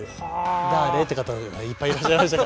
だれ？って方いっぱいいらっしゃいました。